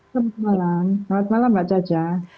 selamat malam mbak caca